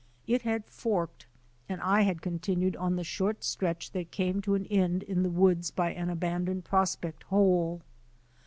It had forked, and I had continued on the short stretch that came to an end in the woods by an abandoned prospect hole.